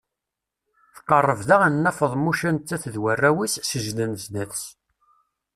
Tqerreb daɣen Nna Feḍmuca nettat d warraw-is, seǧǧden zdat-s.